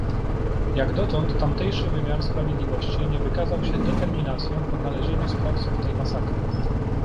Jak dotąd tamtejszy wymiar sprawiedliwości nie wykazał się determinacją w odnalezieniu sprawców tej masakry